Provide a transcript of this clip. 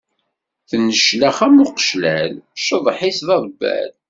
Tenneclax am uqeclal, cceḍḥ-is d aḍebbal.